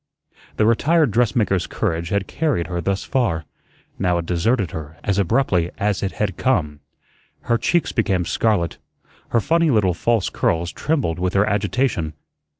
The retired dressmaker's courage had carried her thus far; now it deserted her as abruptly as it had come. Her cheeks became scarlet; her funny little false curls trembled with her agitation.